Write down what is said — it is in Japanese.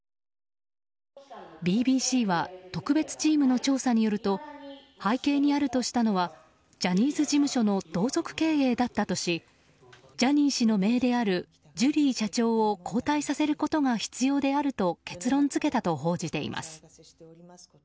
ＢＢＣは特別チームの調査によると背景にあるとしたのはジャニーズ事務所の同族経営だったとしジャニー氏のめいであるジュリー社長を交代させることが必要であると結論付けたと報じています。